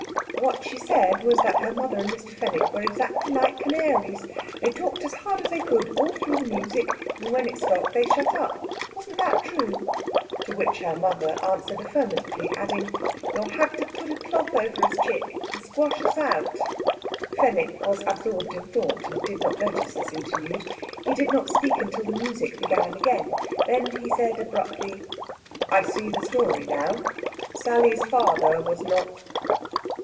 What she said was that her mother and Mr. Fenwick were exactly like the canaries. They talked as hard as they could all through the music, and when it stopped they shut up. Wasn't that true? To which her mother answered affirmatively, adding, "You'll have to put a cloth over us, chick, and squash us out." Fenwick was absorbed in thought, and did not notice this interlude. He did not speak until the music began again. Then he said abruptly: "I see the story now. Sally's father was not...."